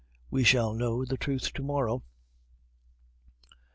"We shall know the truth to morrow."